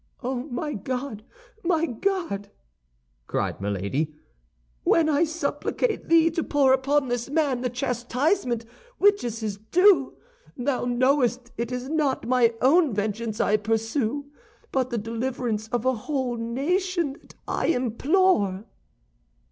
"Oh, my God, my God!" cried Milady; "when I supplicate thee to pour upon this man the chastisement which is his due, thou knowest it is not my own vengeance I pursue, but the deliverance of a whole nation that I implore!"